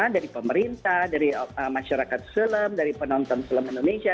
dari pemerintah dari masyarakat selem dari penonton selem indonesia